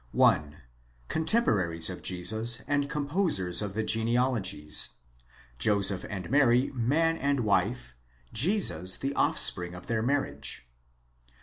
1. Contemporaries of Jesus and composers of the genealogies: Joseph and Mary man and wife—Jesus the offspring of their marriage.